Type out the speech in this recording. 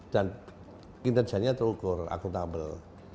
dan kinerjanya terukur akuntabel